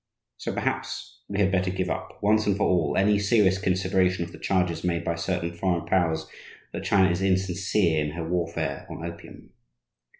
So perhaps we had better give up, once and for all, any serious consideration of the charges made by certain foreign powers that China is insincere in her warfare on opium.